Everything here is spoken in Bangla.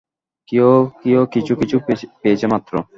কেউ কেউ কিছু কিছু পেয়েছে মাত্র।